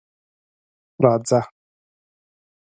_راځه.